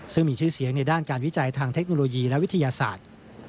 ซึ่งมีชื่อเสียงในด้านการวิจัยทางเทคโนโลยีและวิทยาศาสตร์